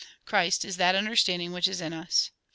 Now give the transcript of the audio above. Christ is that understanding which is in us."